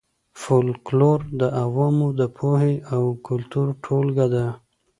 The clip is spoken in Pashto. فولکلور د عوامو د پوهې او کلتور ټولګه ده